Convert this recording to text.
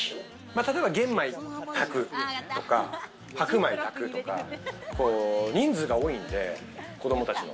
例えば玄米炊くとか白米炊くとか、人数が多いんで、子供たちの。